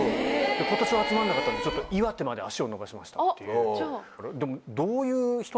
「今年は集まんなかったんでちょっと岩手まで足を延ばしました」っていう。